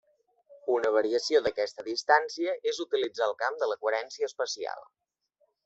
Una variació d’aquesta distància és utilitzar el camp de la coherència espacial.